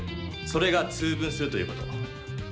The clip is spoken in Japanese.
それが「通分」するということ。